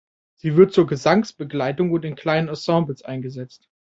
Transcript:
Sie wird zur Gesangsbegleitung und in kleinen Ensembles eingesetzt.